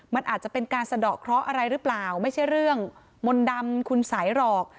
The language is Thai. มันอาจจะเป็นการสะดอกเคราะห์อะไรหรือเปล่าไม่ใช่เรื่องมนต์ดำคุณสัยหรอก